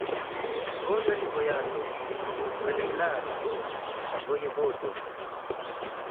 Bonan vojaĝon, kanajlara vojevodo!